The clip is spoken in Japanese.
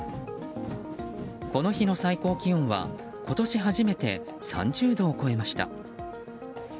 この日の最高気温は今年初めて３０度を超えました。